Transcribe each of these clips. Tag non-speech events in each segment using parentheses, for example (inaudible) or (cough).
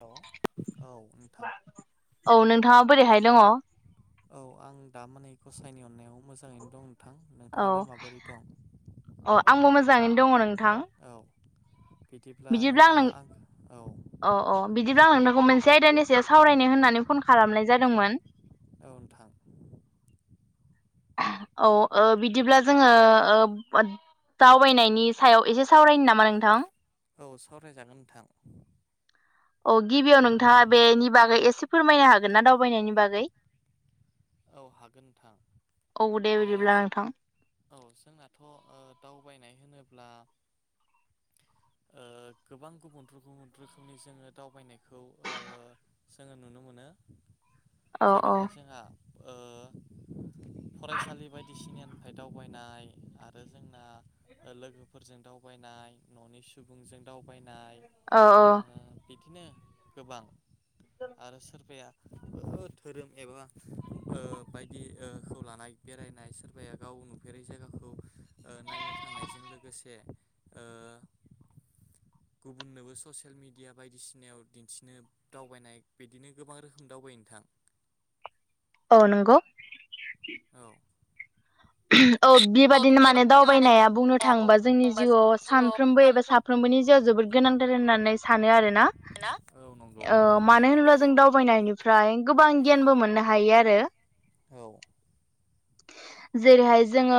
हेल' औ नोंथां औ नोंथाङा बोरैहाय दङ औ आं दा माने गसाइनि अननायाव मोजाङैनो दं। नोंथां औ नोंथाङालाय माबोरै दं औ आंबो मोजाङैनो दङ नोंथां। औ बिदिब्ला आं नोंथाङा नों आं औ। बिदिब्ला आं औ नोंथांखौ मोनसे आयदानि सायाव सावरायनो होननानै फन खालामनाय जादोंमोन। औ नोंथां। औ बिदिब्ला जोङो ओ दावबायनायनि सायाव एसे सावरायनो नामा नोंथां? औ सावरायजागोन नोंथां। औ गिबियाव नोंथाङा बेनि बागै एसे फोरमायनो हागोन ना दावबायनायनि बागै? औ हागोन नोंथां। औ दे ओ बिदिब्ला जो नोंथां औ जोंनाथ' दावबायनाय होनोब्ला ओ गोबां गुबुन गुबुन रोखोमनि जोङो दावबायनायखौ ओ जोङो नुनो मोनो औ औ जेरैहाय जोंहा फरायसालि बायदिसिनानिफ्राय दावबायनाय आरो जोंना लोगोफोरजों दावबाय दावबायनाय न'नि सुबुंजों दावबायनाय औ औ ओ बिदिनो गोबां आरो सोरबाया धोरोम एबा ओ (inaudible) बायदिखौ ओ खौ लानाय बेरायनाय सोरबाया गाव नुफेरै जायगाखौ नायनो थांनायजों लोगोसे ओ (inaudible) गुबुननोबो ससियेल मेडिया बायदिसिनायाव दिन्थिनो दावबायनाय बिदिनो गोबां रोखोम दावबाय नोंथां। औ नंगौ। औ औ बेबादिनो माने दावबायनाया बुंनो थाङोबा जोंनि थाङोबा जों जिउआव सानफ्रोमबो एबा सानफ्रोम साफ्रोमबो नि जिउआव जोबोद गोनांथार होननानै सानो आरोना ना औ नंगौ ओ मानो होनोब्ला जों दावबायनायनि फ्राय गोबां गियानबो मोननो हायो आरो। औ जेरैहाय जोङो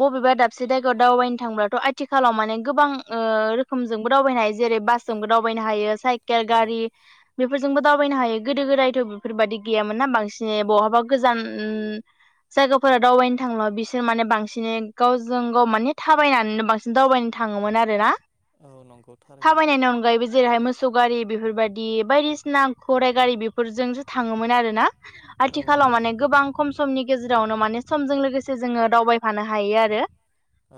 बबेबा दाबसे जायगायाव दावबायनो थांब्लाथ' आथिखालाव माने गोबां ओ ओ रोखोमजोंबो दावबायनो हायो जेरै बासजोंबो दावबायनो हायो साइकेल औ गारि बेफोरजोंबो दावबायनो हायो गोदो गोदायथ' बेफोरबादि गैयामोन ना बांसिनै बहाबा गोजान उम जायगाफोरा दावबायनो थांङो बिसोर माने बांसिनै गावजों गाव माने थाबायनानैनो बांसिन दावबायनो थाङोमोन आरोना। औ नंगौ थारैनो थाबायनायनि अनगायैबो जेरैहाय मोसौ गारि बेफोरबादि बायदिसिना गराइ गारि बेफोरजोंसो थाङोमोन आरोना। औ आथिखालाव नंगौ माने गोबां खम समनि गेजेरावनो माने जों लोगोसे जोङो दावबायफानो हायो आरो। औ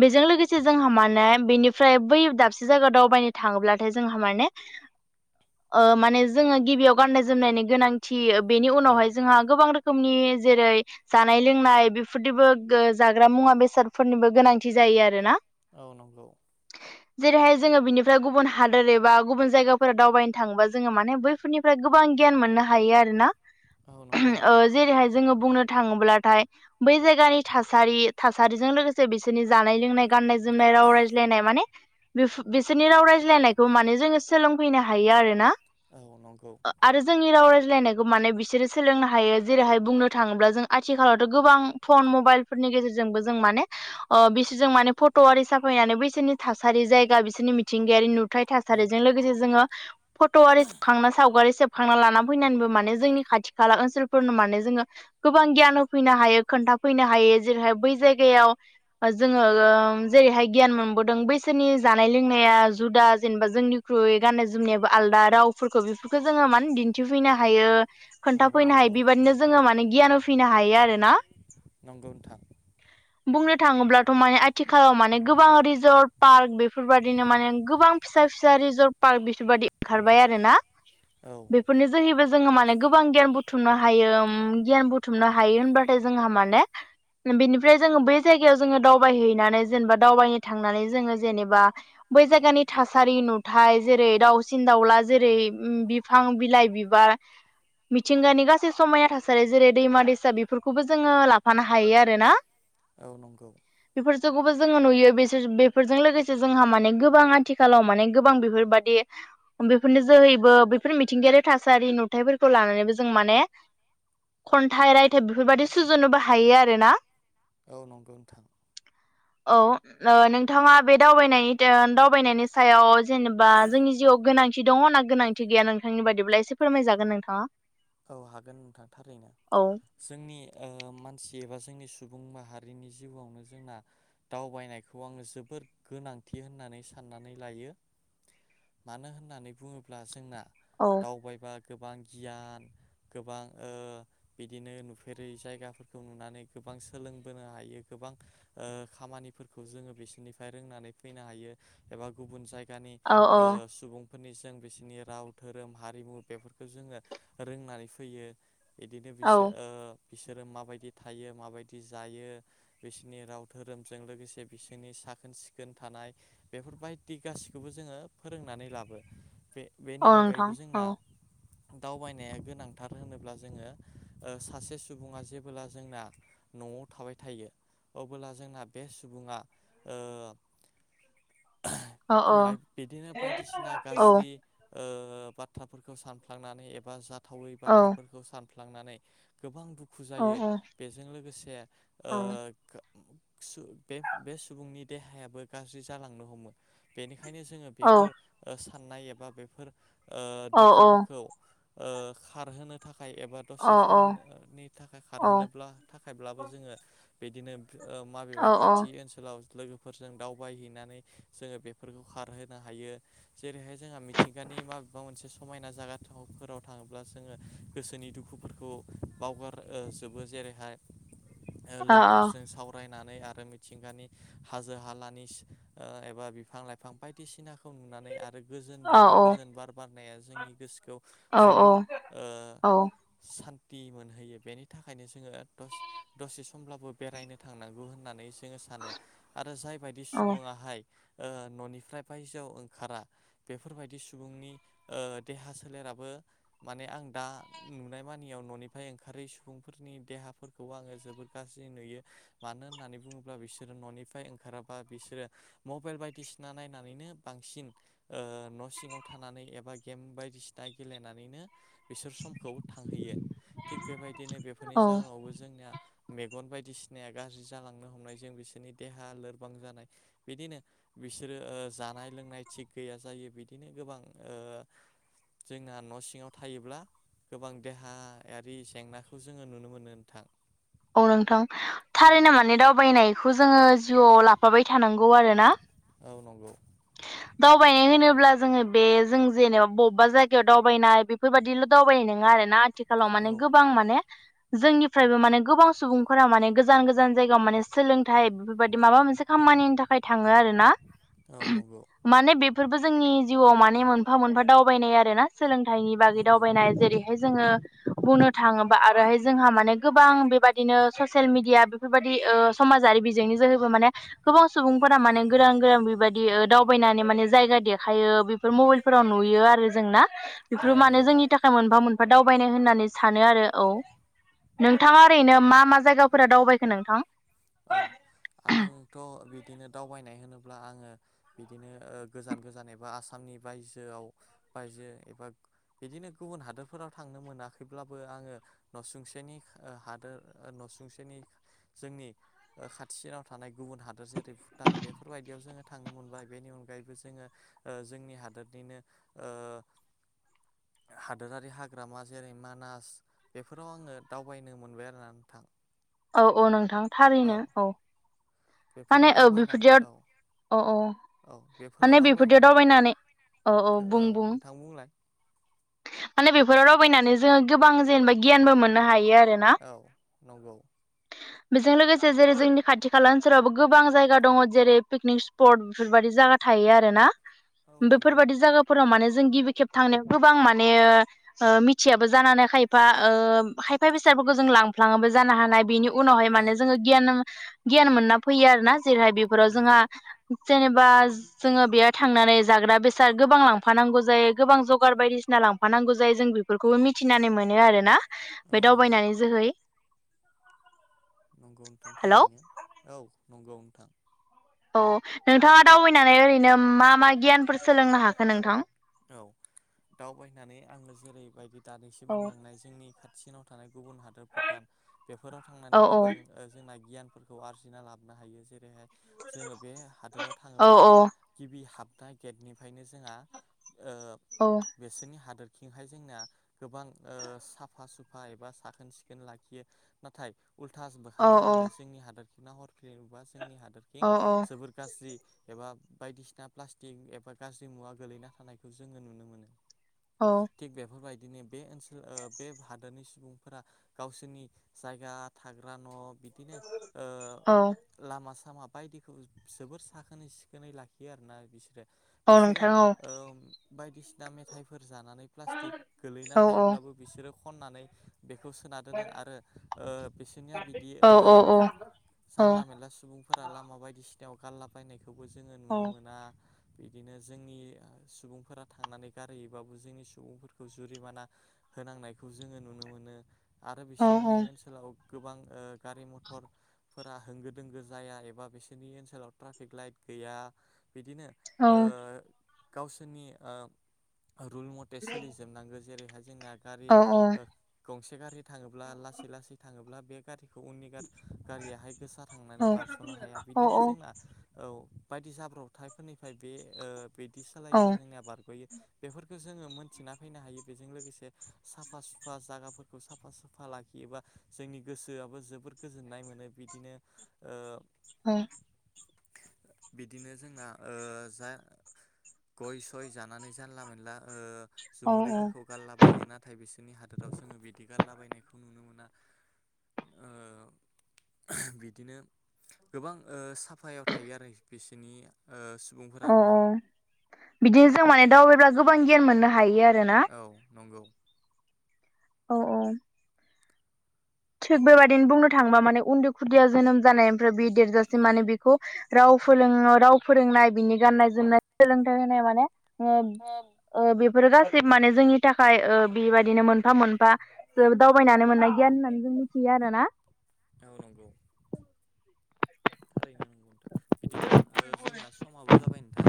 बेजों लोगोसे जोंहा माने बेनिफ्राय बै दाबसे जायगायाव दावबायनो थाङोब्लाथाय जोंहा माने ओ माने जोङो गिबियाव गाननाय जोमनायनि गोनांथि थि बेनि औ उनावहाय जोंहा गोबां रोखोमनि जेरै जानाय लोंनाय बेफोरदिबो जाग्रा मुवा बेसादफोरनिबो गोनांथि जायो आरोना। औ नंगौ। जेरैहाय जोङो बिनिफ्राय गुबुन हादोर एबा गुबुन जायगाफोर दावबायनो थाङोबा जोङो माने बैफोरनिफ्राय गोबां गियान मोननो हायो आरोना औ नंगौ ओ नोंथां जेरैहाय जोङो बुंनो थाङोब्लाथाय बै जायगानि थासारि थासारिजों लोगोसे बिसोरनि जानाय लोंनाय गाननाय जोमनाय राव रायज्लायनाय माने बेफो बिसोरनि राव रायज्लायनायखौ माने जोङो सोलोंफैनो हायो आरो ना। औ नंगौ आरो जोंनि राव राय लायनायखौ माने बिसोरो सोलोंनो हायो जेरैहाय बुंनो थाङोब्ला जों आथिखालावथ' गोबां फन मबाइलफोरनि गेजेरजोंबो जों माने ओ बिसोरजों माने फट' आरि साफा फायनानै बैसोरनि थासारि जायगा बिसोरनि मिथिंगायारि नुथाय औ थासारिजों लोगोसे जोङो फट' आरि सुखांना सावगारि सेब खांना लाना फैनानैबो माने जोंनि खाथि खाला ओनसोलफोरनो माने जोङो गोबां गियान होफैनो हायो खोन्थाफैनो हायो जेरैहाय बै जायगायाव जोङो जे हाय गियान मोनबोदों बैसोरनि जानाय लोंनाया जुदा जेनेबा जोंनिख्रुइ गाननाय जोमनायाबो आलदा रावफोरखौ बेफोरखौ जोङो माने दिन्थिफैनो हायो औ खोन्थाफैनो हायो नंगौ बेबाददिनो जोङो माने गियान फिनो हायो आरो ना नंगौ नोंथां बुंनो थाङोब्लाथ' माने आथिखालाव माने गोबां रिजर्ट पार्क बेफोरबायदिनो माने गोबां फिसा फिसा रिजर्टपार्क बेफोरबायदि ओंखारबाय आरोना औ बेफोरनि जोहैबो जोङो माने गोबां गियान बुथुमनो हायो उम गियान बुथुमनो हायो होनबाथाय जोंहा माने बेनिफ्राय जोङो बै जायगायाव जोङो दावबायहैनानै जेनेबा दावबायनो थांनानै जोङो जेनेबा बै जायगानि थासारि नुथाय जेरै दाउसिन दाउला जेरै बिफां बिलाइ बिबार मिथिंगानि गासै समाया थासारि जेरै दैमा दैसा बेफोरखौबो जोङो लाफानो हायो आरो ना औ नंगौ जोङो नुयो बेसोर बेफोरजों लोगोसे जोंहा माने गोबां आथिखालाव माने गोबां बेफोरबादि बेफोरनि जोहैबो बेफोर मिथिंगायारि थासारि नुथायफोरखौ लानानैबो जों माने खन्थाइ रायथाइ बेफोरबादि सुजुनोबो हायो आरो ना औ नंगौ नोंथां औ ओ नोंथाङा बे दावबायनाय दावबायनायनि सायाव जेनेबा जोंनि जिउआव गोनांथि दङ ना गोनांथि गैया नोंथांनि बादिब्ला एसे फोरमायजागोन नोंथाङा। औ हागोन नोंथां थारैनो औ जोंनि ओ मानसि एबा जोंनि सु बुं माहारिनि जिउआवनो जोंना दावबायनायखौ आङो जोबोद गोनांथि होननानै सा नानै लायो मानो होननानै बुङोब्ला जोंना औ दावबायबा गोबां गियान गोबां ओ बिदिनो नुफेरै जायगाफोरखौ नुनानै गोबां सोलोंबोनो हायो। गोबां ओ खामनिफोरखौ जोङो बिसोरनिफ्राय रोंनानै फैनो हायो एबा गुबुन जाय गानि औ औ सुबुंफोरनिजों बिसोरनि राव धोरोम हारिमु बेफोरखौ जोङो रोंनानै फैयो बिदिनो औ बिसोर ओ बिसोरो माबायदि थायो माबायदि जायो बिसोरनि राव धोरोमजों लोगोसे बिसोरनि साखोन सिखोन थानाय बेफोरबायदि गासिखौबो जोङो फोरोंनानै लाबो बे बेनि औ नोंथां अनगायैबो औ जोंना दावबाय नाया गोनांथार होनोब्ला जोङो सासे सुबुङा जेबोला जोंना नआव थाबाय थायो अब्ला जोंना बे सुबुङा ओ (unintelligible) औ बिदिनो बायदिसिना औ गाज्रि ओ बाथ्राफोरखौ सानफ्लांनानै एबा जाथावै औ बाथ्राफोरखौ सान फ्लांनानै गोबां दुखु औ जायो बेजों लोगोसे ओ बे बे सुबुंनि देहायाबो गाज्रि जालांनो हमो बेनि- ओंखायनो जोङो औ बेफोर साननाय एबा बेफोर औ दुखुफोरखौ ओ खारहोनो था खाय एबा दसे औ औ समनि थाखाय खारहोनोब्ला थाखायब्लाबो जोङो बिदिनो माबेबा खाथि ओनसोलाव लोगोफोरजों दावबायहैनानै जोङो बेफोरखौ खारहोनो हायो जेरैहाय जोंहा मिथिंगानि नि माबेबा मोनसे समायना जागा थाव फोराव थाङोब्ला जोङो गोसोनि दुखुफोरखौ बावगार ओ जोबो जेरैहाय लोगोफोरजों सावराय- नानै आरो मिथिंगानि हाजो हानिबा बिफां लाइफां बायदिसिना खौ नुनानै आरो गोजोन औ बेनि गोजोन बार बारनाया जोंनि गोसोखौ जोबोर ओ सान्थि मोनहैयो बेनि थाखायनो जोङो दसे समब्लाबो बेरायनो थांनांगौ होननानै जोङो सानो आरो जायबायदि औ सुबुङाहाय ननिफ्राय बायजोआव ओंखारा बेफोरबायदि सुबुंनि ओ देहा सोलेराबो माने आं दा नुनाय मानियाव ननिफ्राय ओंखारै सुबुंफोरनि देहाफोरखौ आङो जोबोद गाज्रि नुयो मानो होननानै बुङोब्ला बिसोरो ननिफ्राय ओंखाराबा बिसोरो मबाइल बायदि सिना नायनानैनो बांसिन नसिङाव थानानै एबा गेम बायदिसिना गेलेनानै नो बिसोर समखौ थांहैयो थिग बेबायदिनो बेफोरनि जाहोनावबो जोंनिया मेगन बायदिसिनाया गाज्रि जालांनो हमनायजों बिसोरनि देहा लोरबां जानाय बिदिनो बिसोरो ओ जानाय लोंनाय थिग गैया जायो बिदिनो गोबां ओ जोंना नसि ङाव थायोब्ला गोबां देहायारि जेंनाखौ जोङो नुनो मोनो नोंथां औ नोंथां औ थारैनो माने दावबायनायखौ जोङो जिउआव लाफाबाय थानांगौ आरोना औ नंगौ। दावबायनाय होनोब्ला जोङो बे जों जेनेबा बबा जायगायाव दावबायनाय बेफोरबायदिल दावबायनाय नङा आरोना आथिखालाव औ माने गोबां माने जोंनिफ्रायबो माने गोबां सुबुंफोरा माने गोजान गोजान जायगायाव माने सोलोंथाइ बेफोरबायदि माबा मोनसे खामानिनि थाखाय थाङो आरोना औ नंगौ माने बेफोरबो जोंनि जिउआव माने मोनफा मोनफा दावबायनाय आरो ना सोलोंथाइनि बागै नंगौ दावबायनाय जेरैहाय जोङो बुंनो थाङोबा आरोहाय जोंहा माने गोबां बे बा दिनो सेल मिडिया बेफोरबायाददि समाजारि बिजोंनि जोहैबो माने गोबां सुबुंफोरा माने गोदान गोदान बेबायदि दावबायनानै माने जायगा देखायो बेफोर मबाइलफोराव नुयो आरो जों ना? औ बेफोर माने नंगौ जोंनि थाखाय मोनफा मोनफा दावबायनाय होननानै सानो आरो औ नोंथाङा ओरैनो मा मा जायगाफोरा दावबायखो नोंथां? औ। आंथ बिदिनो दावबायनाय होनोब्ला आङो बिदिनो गोजान गोजान एबा आसाम। नि बायजोआव बायजो एबा बिदिनो गुबुन हादोरफोराव थांनो मोनाखैब्लाबो आङो नसुंसेनि ओ हादोर सुंसेनि जोंनि। ओ खाथिनाव थानाय गुबुन हादोर जेरै भुटान बेफोरबायदियाव जोङो थांनो मोनबाय बेनि अनगायैबो जोङो ओ जोंनि हादोरनिनो ओ (inaudible) हादोरारि हाग्रामा जेरै मानास बेफोराव आङो दावबायनो मोनबाय आरोना नोंथां औ औ नोंथां थारैनो औ। माने बेफोराव औ दावबायनानै बेफोरदियाव औ अ अ औ बेफोराव माने बेफोरदियाव दावबायनानै अ अ बुं औ बुं। नोंथां बुंलाय माने बेफोराव दावबायनानै जोङो गोबां जेनेबा गियानबो मोननो हायो आरोना औ नंगौ। बेजों लोगोसे जेरै जोंनि खाथि खाला ओनसोलावबो गोबां जायगा दङ जेरै पिकनिक स्पट बेफोरबायदि जायगा थायो थायो आरोना औ नंगौ बेफोरबायदि जायगाफोराव माने जों गिबि खेब थांनायाव गोबां माने माने ओ मिथियाबो जानो हानाय खायफा खायफा बेसादफोरखौ जों लांफ्लाङाबो जानो हानाय बिनि उनावहाय औ माने जोङो गियान गियान मोनना फैयो आरो ना जेरैहाय बेफोराव जोंहा नंगौ जेनेबा जोङो बेयाव थांनानै जाग्रा बेसाद गोबां लांफानांगौ जायो गोबां जगार बायदिसिना सिना लांफानांगौ जायो जों बेफोरखौबो मिथिनानै मोनो आरो ना औ बे नंगौ दावबायनायनि जोहै नंगौ नोंथां हेलौ थारैनो औ नंगौ नोंथां। औ नोंथाङा दावबायनानै ओरैनो मा मा गियानफोर सोलोंनो हाखो नोंथां दाव बायनानै आङो जेरैबायदि दानैसो औ बुंलांनाय जोंनि खाथियावाव थानाय गुबुन हादर भुटान बेफोराव औ थांनानै गोबां औ ओ जोंनाय गियानफोरखौ आरजिना लाबोनो हायो जेरैहाय। जोङो बे हादोराव थाङोब्ला औ गिबि हाबनाय गेटनिफ्रायनो जोंहा ओ औ बिसोरनि हादोर। थिंहाय जोंना गोबां ओ साफा सुफा एबा साखोन सिखोन लाखियो नाथाय। उल्थास बोखां औ औ जानानै जोंनि हादोर खिं नाहरफिनोबास जोंनि हादोरखिं औ जोबोर गाज्रि एबा बायदिसिना प्लास्टिक एबा गाज्रि मुवा गोलैना थानायखौ जोङो नुनो मोनो। औ थिग बेफोरबायदि दिनै बे ओनसोल ओ बे हादोरनि सुबुंफोरा गावसोरनि जायगा थाग्रा न बिदिनो ओ औ लामा सामा सामा बायदिखौ जोबोर साखोनै सिखोनै लाखियो आरोना बिसोरो। औ बिसोरो नोंथां औ। ओ बायदिसिना मेथाइफोर जानानै प्लास्टिक गोलैना औ औ थायोब्लाबो बिसोरो खननानै बेखौ सोना दोनो आरो ओ बिसोरनिया बिदि औ ओ औ औ जानला मोनला सुबुंफोरा लामा बायदिसिना याव गारलाबायनायखौबो जोङो औ नुनो मोना बिदिनो जोंनि ओ सुबुंफोरा थांनानै गारहोयोबाबो जोंनि सुबुंफोरखौ जुरिमाना होनांनायखौ जोङो नुनो मोनो (inaudible) आरो औ बिसोरनि ओनसोलाव गोबां ओ गारि मथरफोरा होंगो दोंगो जाया एबा बिसोरनि ओनसोलाव ट्राफिक लाइट गैया। बिदिनो ओ‌ गावसोरनि ओ रुल मथे सोलिजोबनांगो। जेरैहाय जोंना गारि ओ गंसे गारि थाङोब्ला लासै लासै थाङोब्ला बे गारि खौ उननि गारियाहाय गोसा थांनानै बारस'नो हाया बिदिनो जोंना औ बायदि जाब्रबथायफोरनिफ्राय बे ओ बिदि सालायोबा औ जोंनिया बारगयो। बेफोरखो जोङो मोनथिना फैनो हायो बेजों लोगोसे साफा सुफा जागाफोरखौ साफा सुफा लाखियोबा जोंनि गोसोआबो जोबोर गोजोननाय मोनो बिदिनो ओ ओह। बिदिनो जोंना ओ जा गय सय जानानै जानला मोनला ओ औ जुमुदैफोरखौ गारलाबायो नाथाय बिसोरनि हादोराव जोङो बिदि गारला बायनायखौ नुनो मोना। ओ (unintelligible) बिदिनो गोबां ओ साफायाव थायो आरो बिसिनि ओ सुबुंफोरा नोंथां। औ बिदिनो जों माने दावबायब्ला गोबां गियान मोननो हायो आरो। औ नंगौ। औ औ। थिग बेबायदिनो बुंनो थाङोबा माने उन्दै खुदिया जोनोम जानायनिफ्राय बि देरजासिम माने बेखौ राव फोरों राव फोरोंनाय बिनि गाननाय जोमनाय सोलोंथाइ होनाय माने औ ओ बेफोरो गासिबो माने जोंनि थाखाय ओ बेबायदिनो मोनफा मोनफा ज दावबायनानै मोननाय गियान होननानै जों मिथियो आरो ना। औ नंगौ। थारैनो नंगौ नोंथां बिदिब्ला ओ जोंना समाबो जाबाय नोंथां।